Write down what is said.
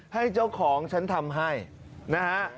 ให้เจ้าของฉันทำให้นะฮะ